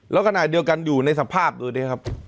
แล้วกระหน่ายเดียวกันอยู่ในสภาพอยู่นี่ครับ